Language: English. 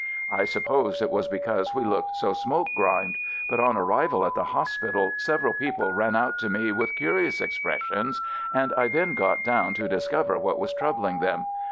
I sup posed it was because we looked so smoke grimed; but on arrival at the hospital, several people ran out to me with curious expressions, and I then got down to dis cover what was troubling them.